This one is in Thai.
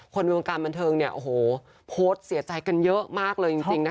คนวงการบันเทิงโพสต์เสียใจกันเยอะมากเลยจริงนะคะ